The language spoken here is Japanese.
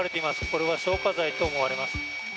これは消火剤と思われます。